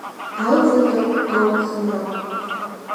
Алӡынрак, алԥхынрак…